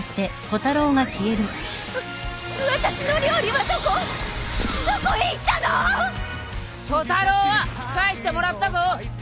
コタロウは返してもらったぞ。